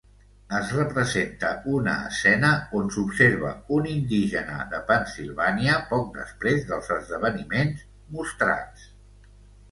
Es representa una escena on s'observa un indígena de Pennsilvània, poc després dels esdeveniments mostrats.